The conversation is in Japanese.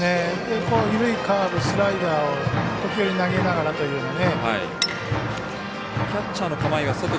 緩いカーブ、スライダーを時折投げながらというようなね。